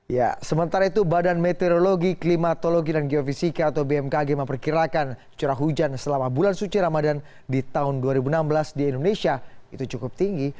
ya sementara itu badan meteorologi klimatologi dan geofisika atau bmkg memperkirakan curah hujan selama bulan suci ramadan di tahun dua ribu enam belas di indonesia itu cukup tinggi